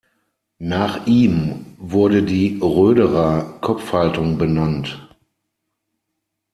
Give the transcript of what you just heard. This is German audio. Nach ihm wurde die Roederer-Kopfhaltung benannt.